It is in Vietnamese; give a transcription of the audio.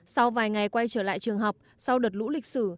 sau vài ngày quay trở lại trường học sau đợt lũ lịch sử